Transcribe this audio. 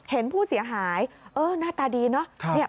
เห็นผู้เสียหายเออหน้าตาดีเนาะ